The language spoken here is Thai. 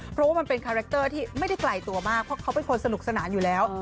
เพราะว่ามันเป็นคาแรคเตอร์ที่ไม่ได้ไกลตัวมากเพราะเขาเป็นคนสนุกสนานอยู่แล้ว